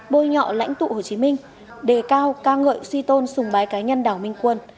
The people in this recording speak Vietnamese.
bôi nhọ lãnh tụ hồ chí minh đề cao ca ngợi suy tôn xùng bái cá nhân đảo minh quân